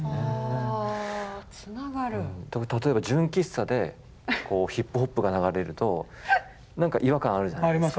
例えば純喫茶でヒップホップが流れると何か違和感あるじゃないですか。